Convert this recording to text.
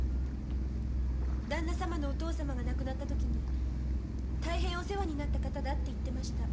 だんな様のお父様が亡くなった時にお世話になった方だって言ってました。